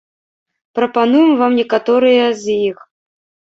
Прапануем вам некаторыя з іх.